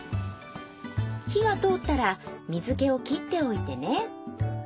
火が通ったら水気を切っておいてね。